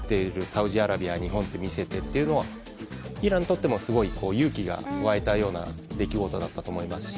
サウジアラビアと日本と見せたというのでイランにとってもすごい勇気が湧いたような出来事だったと思いますし